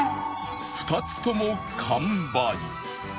２つとも完売